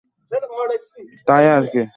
তাই আর কি!